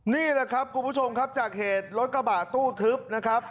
นี่แหละครับคุณผู้ชมครับจากเหตุรถกระบะตู้ทึบนะครับ